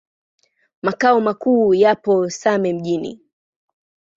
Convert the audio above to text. Makao makuu yapo Same Mjini.